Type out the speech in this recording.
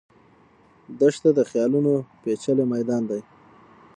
دښته د خیالونو پېچلی میدان دی.